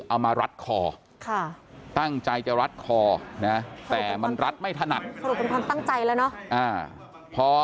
มารัดคอตั้งใจจะรัดคอนะแต่มันรัดไม่ถนัดสรุปเป็นความตั้งใจแล้วเนาะ